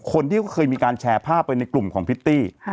คนที่เคยมีการแชร์ภาพไปในกลุ่มของพิตตี้